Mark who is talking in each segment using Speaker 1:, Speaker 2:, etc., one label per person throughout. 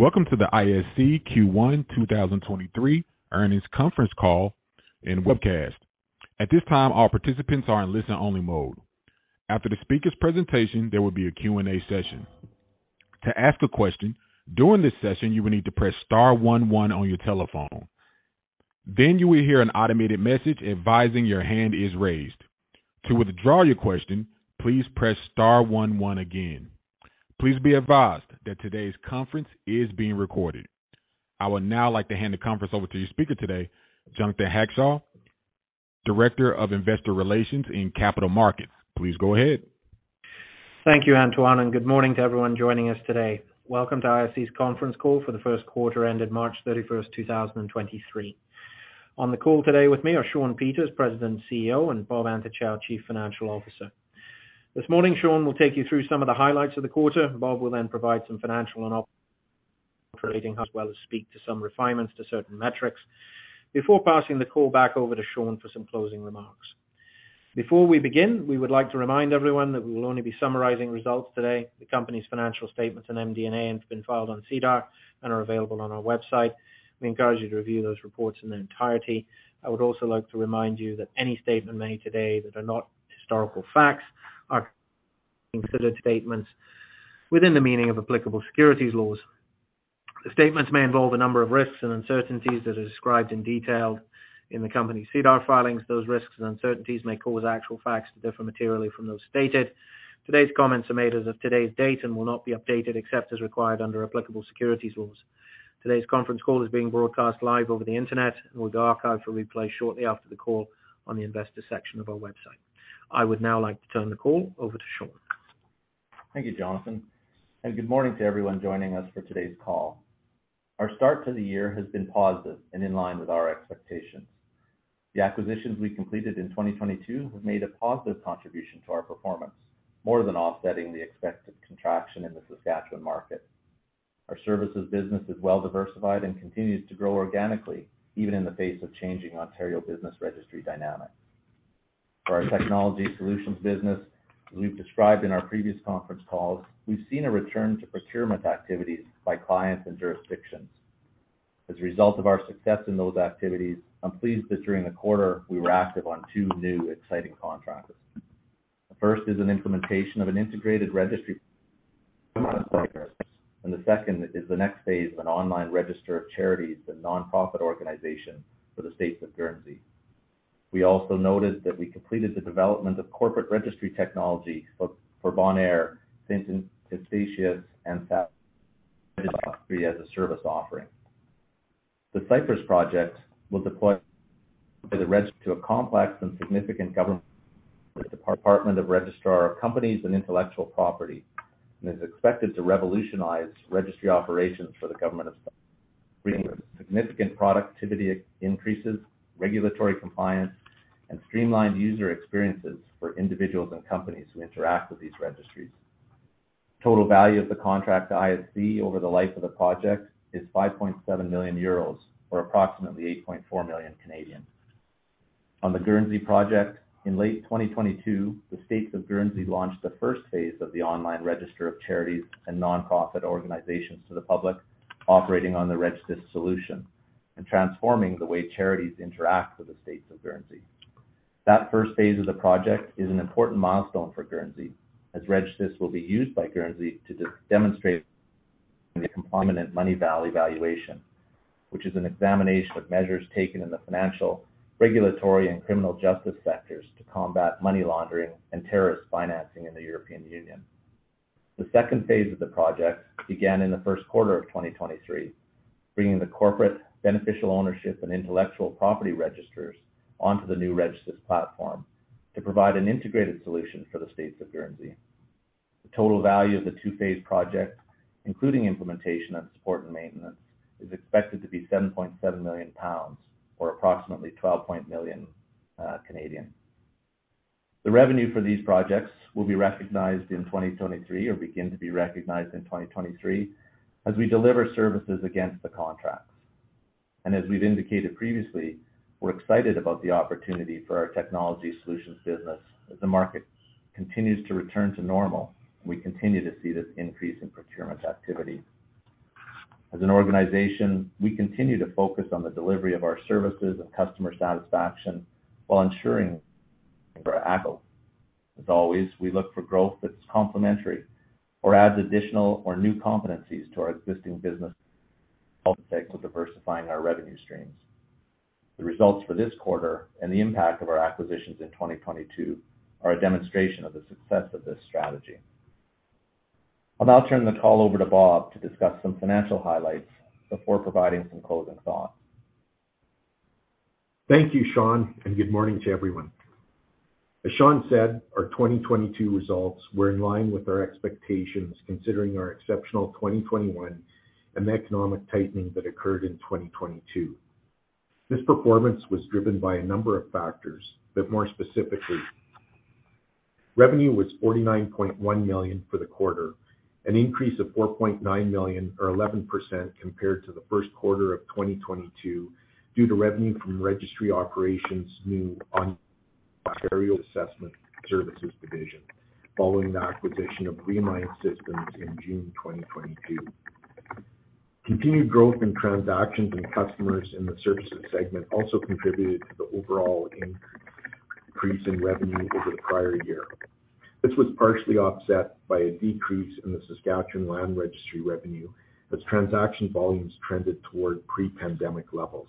Speaker 1: Welcome to the ISC Q1 2023 earnings conference call and webcast. At this time, all participants are in listen-only mode. After the speaker's presentation, there will be a Q&A session. To ask a question during this session, you will need to press star one one on your telephone. You will hear an automated message advising your hand is raised. To withdraw your question, please press star one one again. Please be advised that today's conference is being recorded. I would now like to hand the conference over to your speaker today, Jonathan Hackshaw, Director of Investor Relations in Capital Markets. Please go ahead.
Speaker 2: Thank you, Antoine. Good morning to everyone joining us today. Welcome to ISC's conference call for the Q1 ended March 31st, 2023. On the call today with me are Shawn Peters, President and CEO, and Bob Antochow, Chief Financial Officer. This morning, Shawn will take you through some of the highlights of the quarter. Bob will provide some financial and operating as well as speak to some refinements to certain metrics before passing the call back over to Shawn for some closing remarks. Before we begin, we would like to remind everyone that we will only be summarizing results today. The company's financial statements and MD&A have been filed on SEDAR and are available on our website. We encourage you to review those reports in their entirety. I would also like to remind you that any statement made today that are not historical facts are considered statements within the meaning of applicable securities laws. The statements may involve a number of risks and uncertainties that are described in detail in the company's SEDAR filings. Those risks and uncertainties may cause actual facts to differ materially from those stated. Today's comments are made as of today's date and will not be updated except as required under applicable securities laws. Today's conference call is being broadcast live over the Internet and will be archived for replay shortly after the call on the investor section of our website. I would now like to turn the call over to Shawn.
Speaker 3: Thank you, Jonathan. Good morning to everyone joining us for today's call. Our start to the year has been positive and in line with our expectations. The acquisitions we completed in 2022 have made a positive contribution to our performance, more than offsetting the expected contraction in the Saskatchewan market. Our services business is well diversified and continues to grow organically, even in the face of changing Ontario Business Registry dynamics. For our technology solutions business, as we've described in our previous conference calls, we've seen a return to procurement activities by clients and jurisdictions. As a result of our success in those activities, I'm pleased that during the quarter we were active on two new exciting contracts. The first is an implementation of an integrated registry. The second is the next phase of an online register of charities and nonprofit organizations for the State of Guernsey. We also noted that we completed the development of corporate registry technology for Bonaire, St. Eustatius, and as a service offering. The Cyprus project will deploy the registry of complex and significant government, the Department of Registrar of Companies and Intellectual Property, and is expected to revolutionize registry operations for the government of significant productivity increases, regulatory compliance, and streamlined user experiences for individuals and companies who interact with these registries. Total value of the contract to ISC over the life of the project is 5.7 million euros, or approximately 8.4 million. On the Guernsey project, in late 2022, the State of Guernsey launched the phase I of the online register of charities and nonprofit organizations to the public operating on the RegSys solution and transforming the way charities interact with the State of Guernsey. That phase I of the project is an important milestone for Guernsey as RegSys will be used by Guernsey to demonstrate the complement money value valuation, which is an examination of measures taken in the financial, regulatory, and criminal justice sectors to combat anti-money laundering and terrorist financing in the European Union. The phase II of the project began in the Q1 of 2023, bringing the corporate beneficial ownership and intellectual property registers onto the new RegSys platform to provide an integrated solution for the State of Guernsey. The total value of the two-phase project, including implementation of support and maintenance, is expected to be 7.7 million pounds, or approximately 12 point million. The revenue for these projects will be recognized in 2023 or begin to be recognized in 2023 as we deliver services against the contracts. As we've indicated previously, we're excited about the opportunity for our technology solutions business. As the market continues to return to normal, we continue to see this increase in procurement activity. As an organization, we continue to focus on the delivery of our services and customer satisfaction while ensuring for ACO. As always, we look for growth that's complementary or adds additional or new competencies to our existing business, diversifying our revenue streams. The results for this quarter and the impact of our acquisitions in 2022 are a demonstration of the success of this strategy. I'll now turn the call over to Bob to discuss some financial highlights before providing some closing thoughts.
Speaker 4: Thank you, Shawn, and good morning to everyone. As Shawn said, our 2022 results were in line with our expectations considering our exceptional 2021 and economic tightening that occurred in 2022. This performance was driven by a number of factors, but more specifically, revenue was 49.1 million for the quarter, an increase of 4.9 million or 11% compared to the Q1 of 2022 due to revenue from Registry Operations. Ontario Assessment Services Division following the acquisition of Reamined Systems in June 2022. Continued growth in transactions and customers in the services segment also contributed to the overall increase in revenue over the prior year. This was partially offset by a decrease in the Saskatchewan Land Titles Registry revenue as transaction volumes trended toward pre-pandemic levels.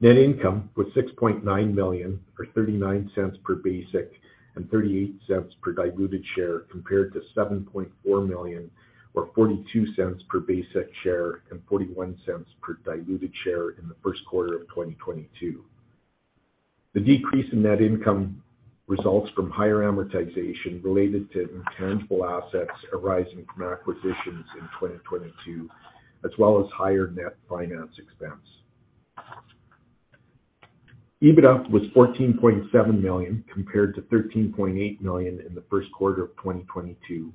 Speaker 4: Net income was 6.9 million, or 0.39 per basic and 0.38 per diluted share, compared to 7.4 million, or 0.42 per basic share and 0.41 per diluted share in the Q1 of 2022. The decrease in net income results from higher amortization related to intangible assets arising from acquisitions in 2022, as well as higher net finance expense. EBITDA was 14.7 million compared to 13.8 million in the Q1 of 2022,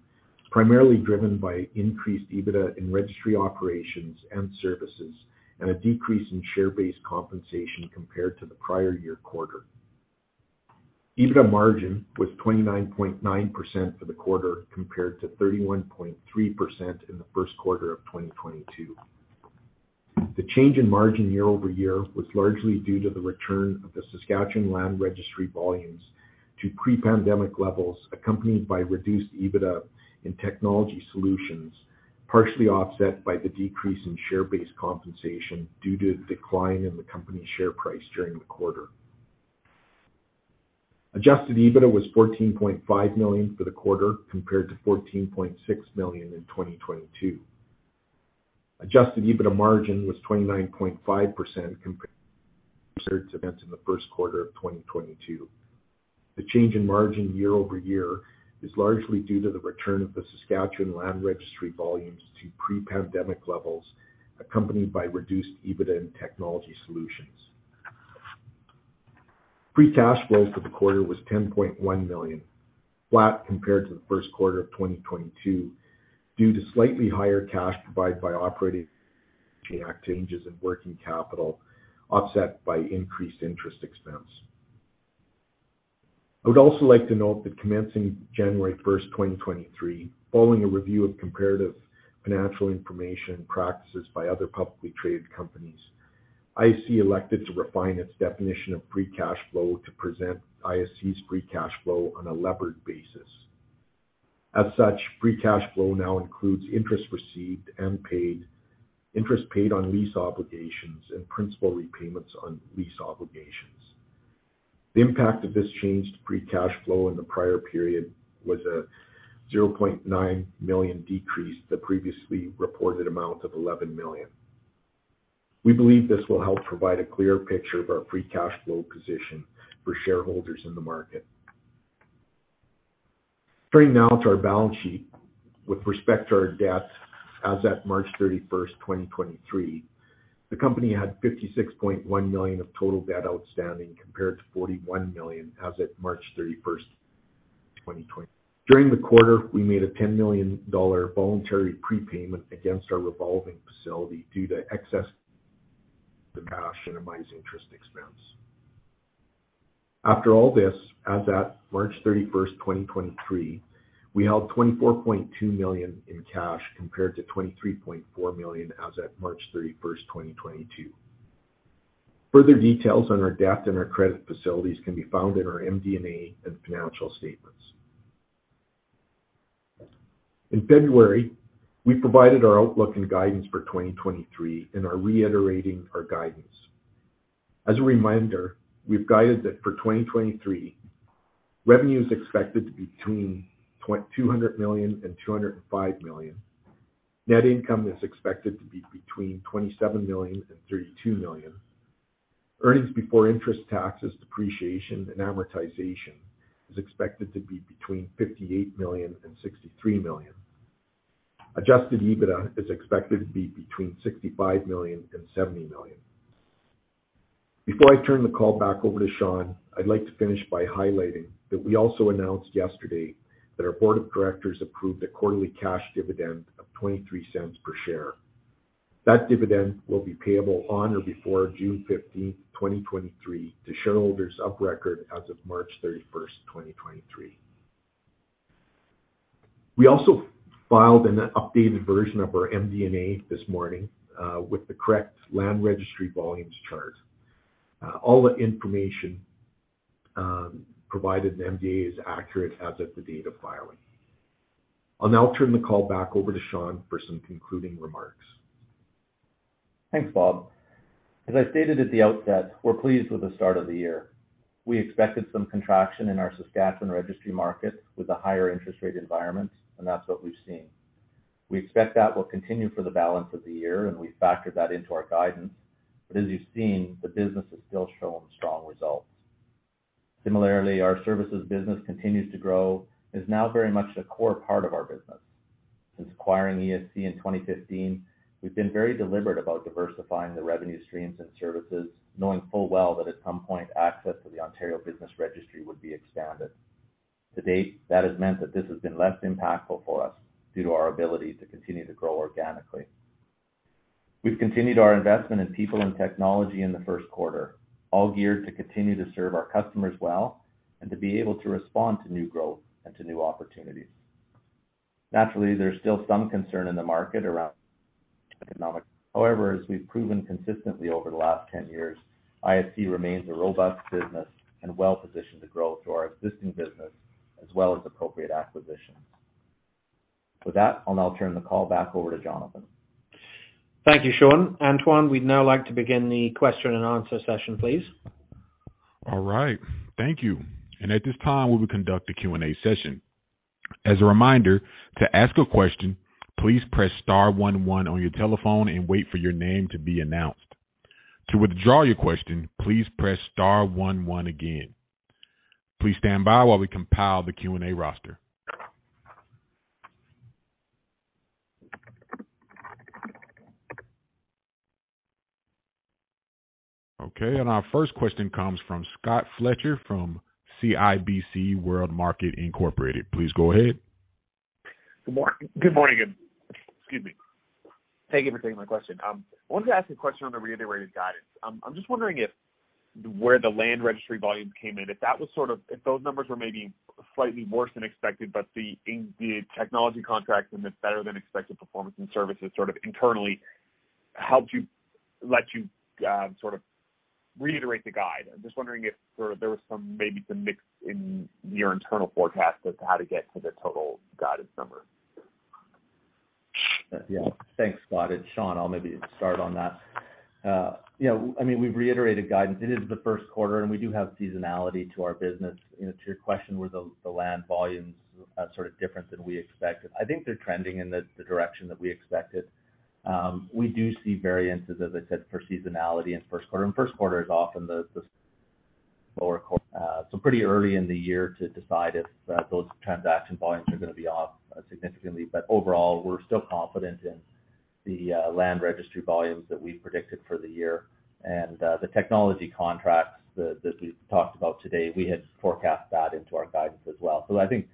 Speaker 4: primarily driven by increased EBITDA in registry operations and services, and a decrease in share-based compensation compared to the prior year quarter. EBITDA margin was 29.9% for the quarter, compared to 31.3% in the Q1 of 2022. The change in margin year-over-year was largely due to the return of the Saskatchewan Land Titles Registry volumes to pre-pandemic levels, accompanied by reduced EBITDA in technology solutions, partially offset by the decrease in share-based compensation due to the decline in the company's share price during the quarter. Adjusted EBITDA was 14.5 million for the quarter, compared to 14.6 million in 2022. Adjusted EBITDA margin was 29.5% compared to 30% in the Q1 of 2022. The change in margin year-over-year is largely due to the return of the Saskatchewan Land Titles Registry volumes to pre-pandemic levels, accompanied by reduced EBITDA in technology solutions. free cash flow for the Q1 was 10.1 million, flat compared to the Q1 of 2022, due to slightly higher cash provided by operating changes in working capital, offset by increased interest expense. I would also like to note that commencing January 1st, 2023, following a review of comparative financial information practices by other publicly traded companies, ISC elected to refine its definition of free cash flow to present ISC's free cash flow on a levered basis. As such, free cash flow now includes interest received and paid, interest paid on lease obligations and principal repayments on lease obligations. The impact of this change to free cash flow in the prior period was a 0.9 million decrease to the previously reported amount of 11 million. We believe this will help provide a clear picture of our free cash flow position for shareholders in the market. Turning now to our balance sheet. With respect to our debt, as at March 31st, 2023, the company had 56.1 million of total debt outstanding compared to 41 million as at March 31st, 2020. During the quarter, we made a 10 million dollar voluntary prepayment against our revolving facility due to excess cash minimize interest expense. After all this, as at March 31st, 2023, we held 24.2 million in cash compared to 23.4 million as at March 31st, 2022. Further details on our debt and our credit facilities can be found in our MD&A and financial statements. In February, we provided our outlook and guidance for 2023 and are reiterating our guidance. As a reminder, we've guided that for 2023, revenue is expected to be between 200 million and 205 million. Net income is expected to be between 27 million and 32 million. Earnings before interest, taxes, depreciation and amortization is expected to be between 58 million and 63 million. Adjusted EBITDA is expected to be between 65 million and 70 million. Before I turn the call back over to Shawn, I'd like to finish by highlighting that we also announced yesterday that our board of directors approved a quarterly cash dividend of 0.23 per share. That dividend will be payable on or before June 15th, 2023, to shareholders of record as of March 31st, 2023. We also filed an updated version of our MD&A this morning, with the correct land registry volumes chart. All the information provided in the MD&A is accurate as of the date of filing. I'll now turn the call back over to Shawn for some concluding remarks.
Speaker 3: Thanks, Bob. As I stated at the outset, we're pleased with the start of the year. We expected some contraction in our Saskatchewan registry market with a higher interest rate environment, and that's what we've seen. We expect that will continue for the balance of the year, and we've factored that into our guidance. As you've seen, the business is still showing strong results. Similarly, our services business continues to grow and is now very much a core part of our business. Since acquiring ESC in 2015, we've been very deliberate about diversifying the revenue streams and services, knowing full well that at some point, access to the Ontario Business Registry would be expanded. To date, that has meant that this has been less impactful for us due to our ability to continue to grow organically. We've continued our investment in people and technology in the Q1, all geared to continue to serve our customers well and to be able to respond to new growth and to new opportunities. Naturally, there's still some concern in the market around economics. However, as we've proven consistently over the last 10 years, ISC remains a robust business and well-positioned to grow through our existing business as well as appropriate acquisitions. With that, I'll now turn the call back over to Jonathan.
Speaker 2: Thank you, Shawn. Antoine, we'd now like to begin the question and answer session, please.
Speaker 1: All right. Thank you. At this time, we will conduct the Q&A session. As a reminder, to ask a question, please press star one one on your telephone and wait for your name to be announced. To withdraw your question, please press star one one again. Please stand by while we compile the Q&A roster. Our first question comes from Scott Fletcher from CIBC World Markets Inc.. Please go ahead.
Speaker 5: Good morning. Good morning again. Excuse me. Thank you for taking my question. I wanted to ask a question on the reiterated guidance. I'm just wondering if where the land registry volumes came in, if those numbers were maybe slightly worse than expected, but the technology contracts and the better than expected performance and services sort of internally helped you, let you, sort of reiterate the guide. I'm just wondering if sort of there was some, maybe some mix in your internal forecast as to how to get to the total guided number.
Speaker 3: Yeah. Thanks, Scott. It's Shawn. I'll maybe start on that. You know, I mean, we've reiterated guidance. It is the Q1, we do have seasonality to our business. You know, to your question, were the land volumes sort of different than we expected? I think they're trending in the direction that we expected. We do see variances, as I said, for seasonality in Q1. Q1 is often pretty early in the year to decide if those transaction volumes are gonna be off significantly. Overall, we're still confident in the land registry volumes that we predicted for the year. The technology contracts that we've talked about today, we had forecast that into our guidance as well. I think,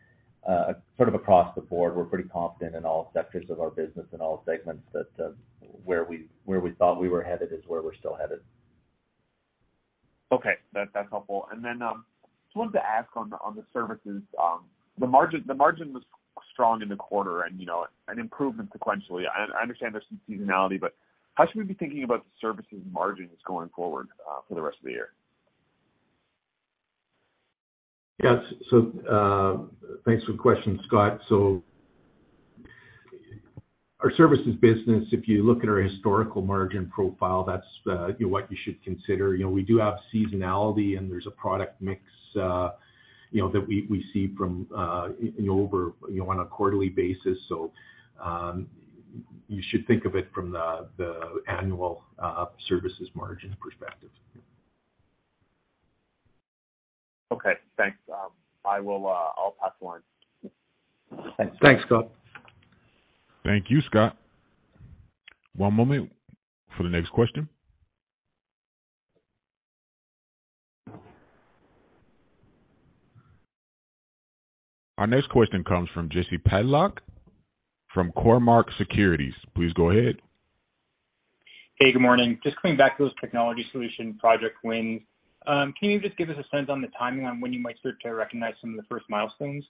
Speaker 3: sort of across the board, we're pretty confident in all sectors of our business and all segments that, where we thought we were headed is where we're still headed.
Speaker 5: Okay. That's helpful. Just wanted to ask on the services, the margin was strong in the quarter and, you know, an improvement sequentially. I understand there's some seasonality, but how should we be thinking about the services margins going forward, for the rest of the year?
Speaker 4: Yes. Thanks for the question, Scott. Our services business, if you look at our historical margin profile, that's, you know, what you should consider. You know, we do have seasonality, and there's a product mix, you know, that we see from, over, you know, on a quarterly basis. You should think of it from the annual services margin perspective.
Speaker 5: Okay, thanks. I will, I'll pass the line.
Speaker 4: Thanks, Scott.
Speaker 1: Thank you, Scott. One moment for the next question. Our next question comes from Jesse Pytlak from Cormark Securities. Please go ahead.
Speaker 6: Hey, good morning. Just coming back to those technology solution project wins, can you just give us a sense on the timing on when you might start to recognize some of the first milestones?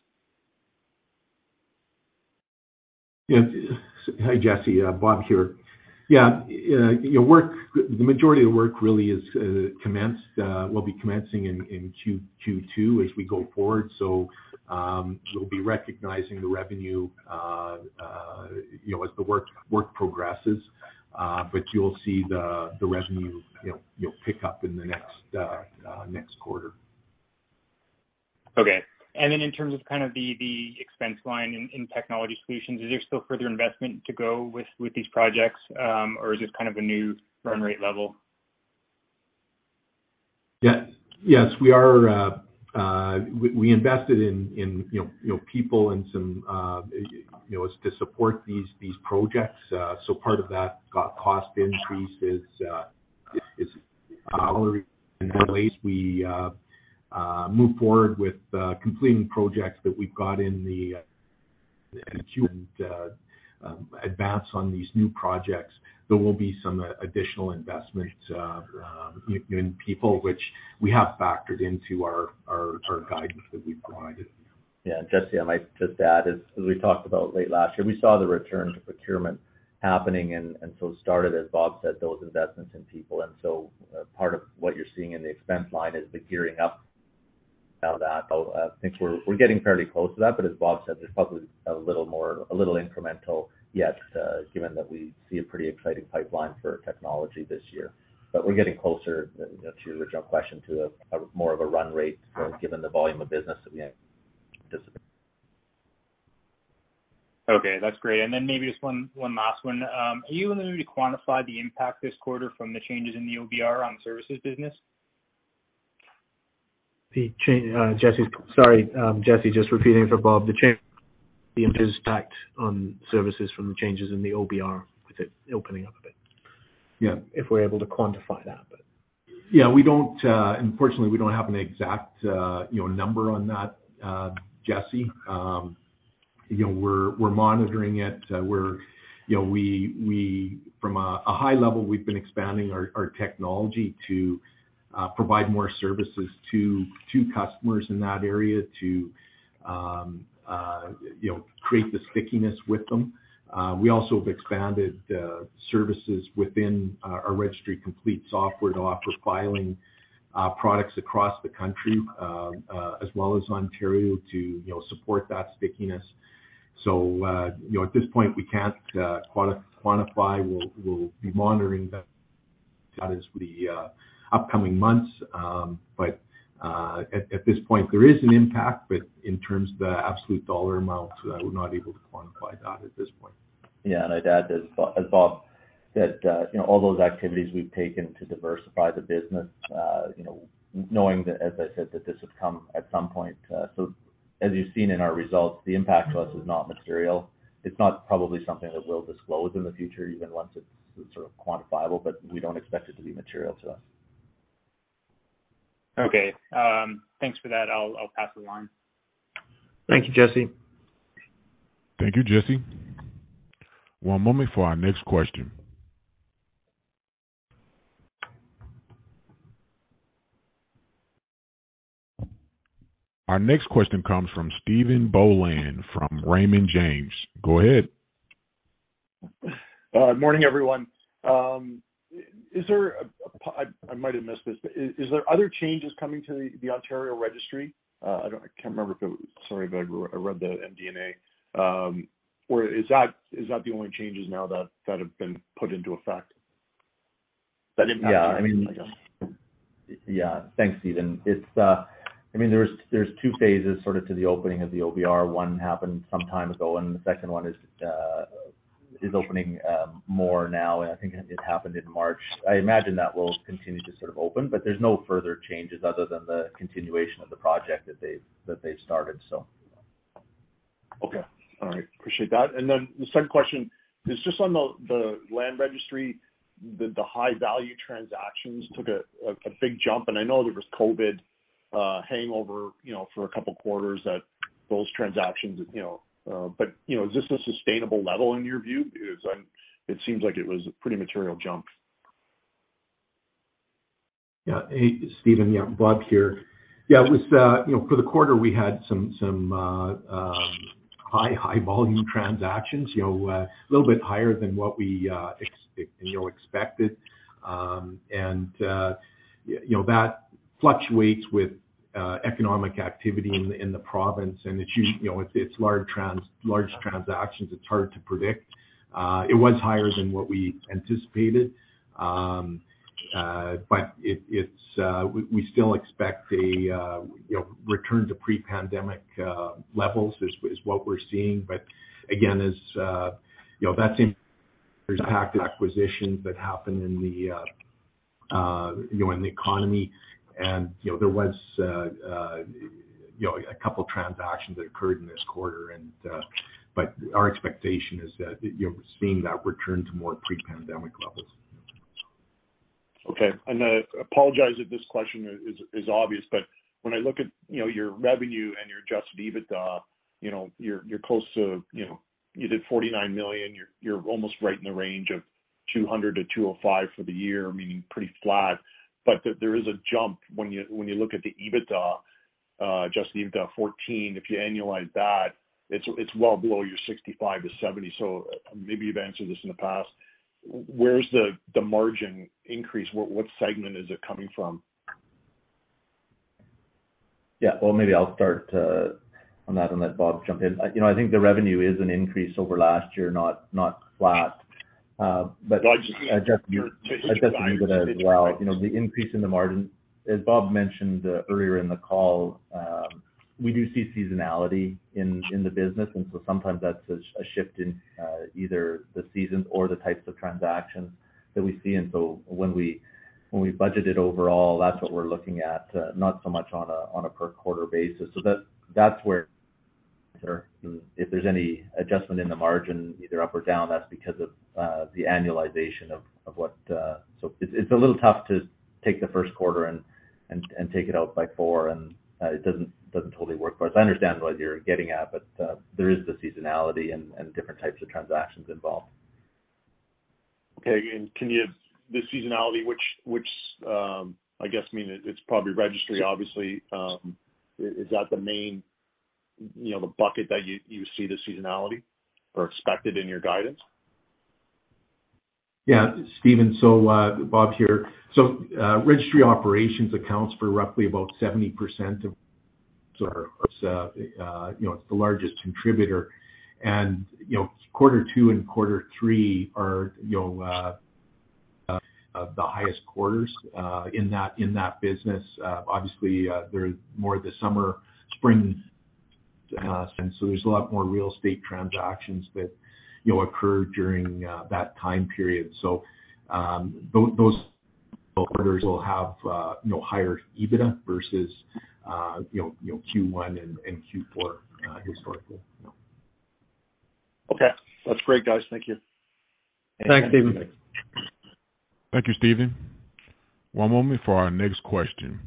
Speaker 4: Hi, Jesse. Bob here. You know, the majority of the work really is commenced, will be commencing in Q2 as we go forward. We'll be recognizing the revenue, you know, as the work progresses. You'll see the revenue, you know, pick up in the next quarter.
Speaker 6: Okay. Then in terms of kind of the expense line in technology solutions, is there still further investment to go with these projects, or is this kind of a new run rate level?
Speaker 4: Yeah. Yes, we are. We invested in you know people and some you know as to support these projects. Part of that cost increase is, however, in many ways we move forward with completing projects that we've got in the Q and advance on these new projects. There will be some additional investments in people, which we have factored into our guidance that we've provided.
Speaker 3: Yeah. Jesse, I might just add, as we talked about late last year, we saw the return to procurement happening and so started, as Bob said, those investments in people. Part of what you're seeing in the expense line is the gearing up of that. I think we're getting fairly close to that, but as Bob said, there's probably a little more, a little incremental yet, given that we see a pretty exciting pipeline for technology this year. We're getting closer, you know, to your original question, to a more of a run rate for given the volume of business that we have participate.
Speaker 6: Okay, that's great. Then maybe just one last one. Are you able to maybe quantify the impact this quarter from the changes in the OBR on services business?
Speaker 3: Jesse, sorry. Jesse, just repeating for Bob, the change impact on services from the changes in the OBR with it opening up a bit. Yeah. If we're able to quantify that.
Speaker 4: Yeah, we don't, unfortunately, we don't have an exact, you know, number on that, Jesse. You know, we're monitoring it. We, you know, we from a high level, we've been expanding our technology to provide more services to customers in that area to, you know, create the stickiness with them. We also have expanded services within our Registry Complete software to offer filing products across the country, as well as Ontario to, you know, support that stickiness. You know, at this point, we can't quantify. We'll be monitoring that is for the upcoming months. At this point, there is an impact. In terms of the absolute dollar amounts, we're not able to quantify that at this point.
Speaker 3: Yeah. I'd add as Bob said, you know, all those activities we've taken to diversify the business, you know, knowing that as I said that this would come at some point. As you've seen in our results, the impact to us is not material. It's not probably something that we'll disclose in the future, even once it's sort of quantifiable, but we don't expect it to be material to us.
Speaker 6: Okay. Thanks for that. I'll pass the line.
Speaker 3: Thank you, Jesse.
Speaker 1: Thank you, Jesse. One moment for our next question. Our next question comes from Stephen Boland from Raymond James. Go ahead.
Speaker 7: Morning, everyone. Is there I might have missed this. Is there other changes coming to the Ontario Business Registry? I can't remember if sorry if I read the MD&A. Is that the only changes now that have been put into effect?
Speaker 3: Yeah. I mean.
Speaker 7: I guess.
Speaker 3: Thanks, Stephen. I mean, there's two phases sort of to the opening of the OBR. One happened some time ago and the second one is opening more now. I think it happened in March. I imagine that will continue to sort of open. There's no further changes other than the continuation of the project that they've started.
Speaker 7: Okay. All right. Appreciate that. The second question is just on the land registry, the high value transactions took a big jump, and I know there was COVID hangover, you know, for a couple quarters that those transactions, you know. You know, is this a sustainable level in your view? It seems like it was a pretty material jump.
Speaker 4: Yeah. Hey, Stephen. Yeah, Bob here. Yeah, it was, you know, for the quarter, we had some, high volume transactions, you know, a little bit higher than what we expected. You know, that fluctuates with economic activity in the province. You know, it's large transactions. It's hard to predict. It was higher than what we anticipated. We still expect a, you know, return to pre-pandemic levels is what we're seeing. Again, as, you know, that same impact acquisitions that happened in the economy. you know, there was, you know, a couple transactions that occurred in this quarter and, but our expectation is that, you know, seeing that return to more pre-pandemic levels.
Speaker 7: Okay. I apologize if this question is obvious, but when I look at, you know, your revenue and your adjusted EBITDA, you know, you're close to, you know, you did 49 million. You're almost right in the range of 200 million-205 million for the year, meaning pretty flat. There is a jump when you look at the EBITDA, adjusted EBITDA 14 million. If you annualize that, it's well below your 65 million-70 million. Maybe you've answered this in the past. Where's the margin increase? What segment is it coming from?
Speaker 3: Yeah. Well, maybe I'll start on that and let Bob jump in. You know, I think the revenue is an increase over last year, not flat.
Speaker 7: No, I just mean.
Speaker 3: Adjusted EBITDA as well. You know, the increase in the margin, as Bob mentioned, earlier in the call, we do see seasonality in the business. Sometimes that's a shift in, either the seasons or the types of transactions that we see. When we budget it overall, that's what we're looking at, not so much on a per quarter basis. That's where if there's any adjustment in the margin, either up or down, that's because of the annualization of what... It's a little tough to take the Q1 and take it out by four, and, it doesn't totally work for us. I understand what you're getting at, but, there is the seasonality and different types of transactions involved.
Speaker 7: Okay. The seasonality which, I guess, I mean, it's probably registry obviously. Is that the main, you know, the bucket that you see the seasonality or expected in your guidance?
Speaker 4: Yeah. Stephen, Bob here. Registry operations accounts for roughly about 70% of, sort of, you know, it's the largest contributor. You know, quarter two and quarter three are, you know, the highest quarters, in that, in that business. Obviously, there's more of the summer, spring, there's a lot more real estate transactions that, you know, occur during, that time period. Those quarters will have, you know, higher EBITDA versus, you know, Q1 and Q4, historically. Okay, that's great, guys. Thank you.
Speaker 3: Thanks, Stephen.
Speaker 1: Thank you, Stephen. One moment for our next question.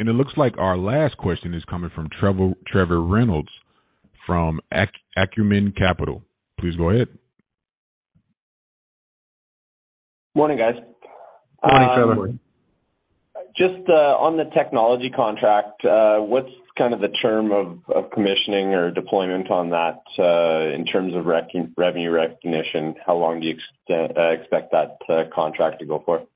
Speaker 1: It looks like our last question is coming from Trevor Reynolds from Acumen Capital. Please go ahead.
Speaker 8: Morning, guys.
Speaker 3: Morning, Trevor.
Speaker 8: Just on the technology contract, what's kind of the term of commissioning or deployment on that, in terms of revenue recognition, how long do you expect that contract to go for?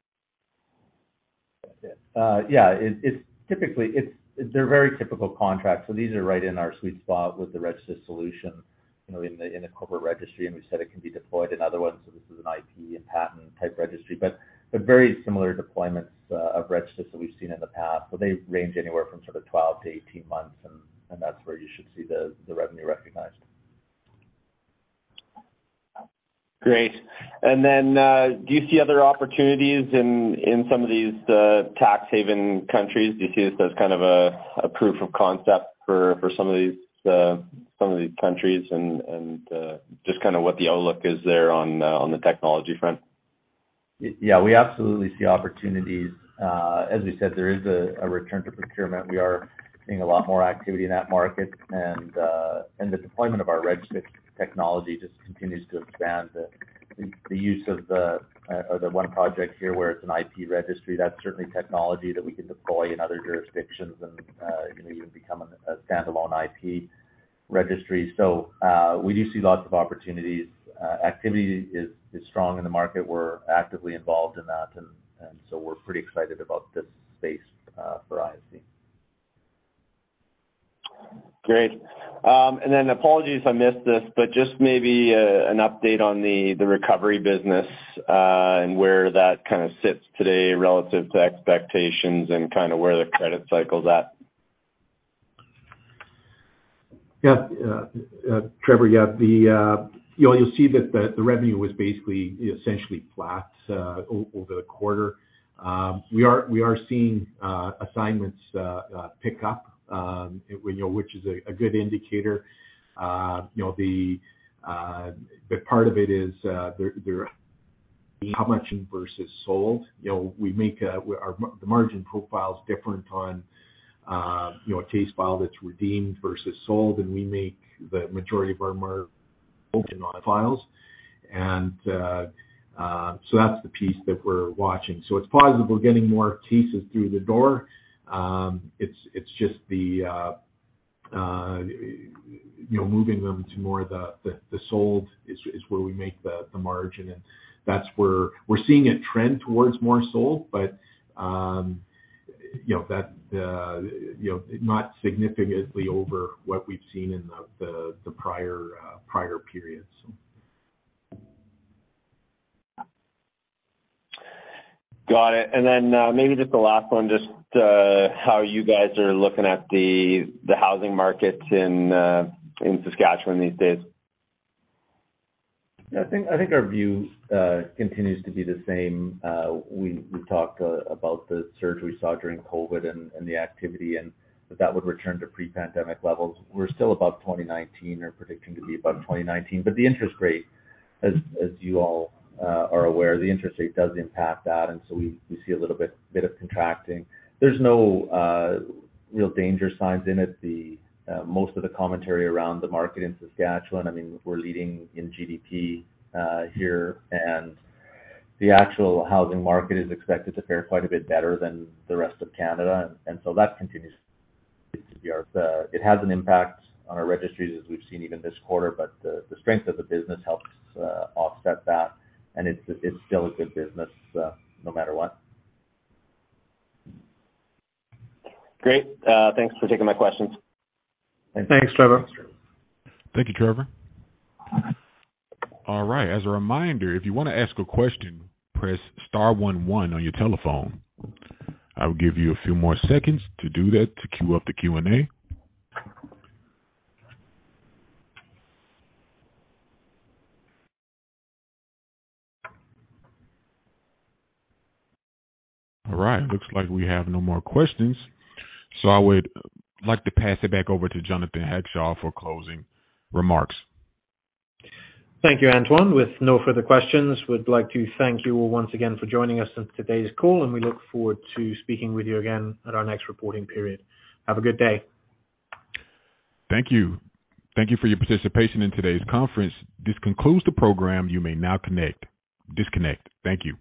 Speaker 3: Yeah, it's typically they're very typical contracts. These are right in our sweet spot with the registered solution, you know, in the corporate registry, and we said it can be deployed in other ones. This is an IP and patent type registry, but they're very similar deployments of registers that we've seen in the past. They range anywhere from sort of 12 months to 18 months, and that's where you should see the revenue recognized.
Speaker 8: Great. Do you see other opportunities in some of these tax haven countries? Do you see this as kind of a proof of concept for some of these countries and just kinda what the outlook is there on the technology front?
Speaker 3: Yeah, we absolutely see opportunities. As we said, there is a return to procurement. We are seeing a lot more activity in that market and the deployment of our registry technology just continues to expand the use of the one project here where it's an IP registry. That's certainly technology that we can deploy in other jurisdictions and, you know, even become a standalone IP registry. We do see lots of opportunities. Activity is strong in the market. We're actively involved in that and so we're pretty excited about this space for ISC.
Speaker 8: Great. Apologies if I missed this, but just maybe, an update on the recovery business, and where that kinda sits today relative to expectations and kinda where the credit cycle's at.
Speaker 4: Trevor, you'll see that the revenue was basically essentially flat over the quarter. We are seeing assignments pick up, you know, which is a good indicator. You know, part of it is there how much versus sold. You know, we make our the margin profile is different on, you know, a case file that's redeemed versus sold, and we make the majority of our mar open amount of files. That's the piece that we're watching. It's positive we're getting more cases through the door. It's just the, you know, moving them to more of the sold is where we make the margin. That's where we're seeing it trend towards more sold but, you know, that, you know, not significantly over what we've seen in the prior periods.
Speaker 8: Got it. Maybe just the last one, just, how you guys are looking at the housing markets in Saskatchewan these days?
Speaker 3: I think our view continues to be the same. We talked about the surge we saw during COVID and the activity and that would return to pre-pandemic levels. We're still above 2019 or predicting to be above 2019. The interest rate, as you all are aware, the interest rate does impact that, and so we see a little bit of contracting. There's no real danger signs in it. The most of the commentary around the market in Saskatchewan, I mean, we're leading in GDP here, and the actual housing market is expected to fare quite a bit better than the rest of Canada. That continues to be. It has an impact on our registries as we've seen even this quarter, but the strength of the business helps offset that. It's still a good business, no matter what.
Speaker 8: Great. Thanks for taking my questions.
Speaker 4: Thanks, Trevor.
Speaker 1: Thank you, Trevor. All right. As a reminder, if you wanna ask a question, press star 11 on your telephone. I'll give you a few more seconds to do that to queue up the Q&A. All right. Looks like we have no more questions, so I would like to pass it back over to Jonathan Hackshaw for closing remarks.
Speaker 2: Thank you, Antoine. With no further questions, we'd like to thank you once again for joining us on today's call, and we look forward to speaking with you again at our next reporting period. Have a good day.
Speaker 1: Thank you. Thank you for your participation in today's conference. This concludes the program. You may now disconnect. Thank you.